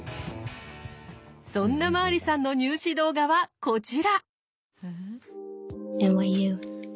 そんなマーリさんの入試動画はこちら。